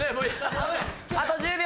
あと１０秒！